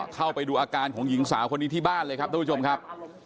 เข้าไปดูอาการของหญิงสาวคนนี้ที่บ้านเลยครับท่านผู้ชมครับ